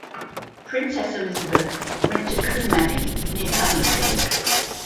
Princess Elizabeth went to Coombe Abbey near Coventry.